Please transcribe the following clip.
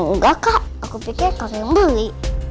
nggak kak aku pikirnya kamu yang beli